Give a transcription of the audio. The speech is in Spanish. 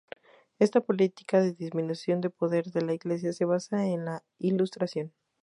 Esta política de disminución de poder de la iglesia se basaba en la Ilustración.